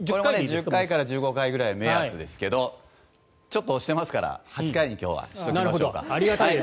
１０回から１５回ぐらいが目安ですけどちょっと押していますから８回に今日はしておきましょうか。